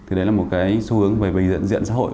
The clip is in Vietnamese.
thì đấy là một cái xu hướng về diện xã hội